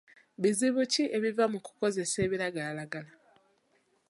Bizibu ki ebiva mu kukozesa ebiragalalagala?